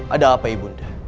ada apa ibu